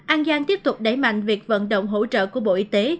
an giang tiếp tục đẩy mạnh việc vận động hỗ trợ của bộ y tế